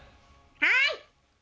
はい！